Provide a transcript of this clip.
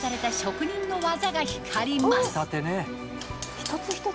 一つ一つ？